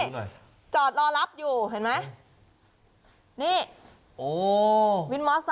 นี่จอดรอรับอยู่เห็นไหม